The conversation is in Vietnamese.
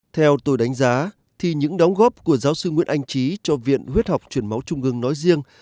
theo tôi đánh giá thì những đóng góp của giáo sư nguyễn anh trí cho viện huyết học truyền máu trung ương nói riêng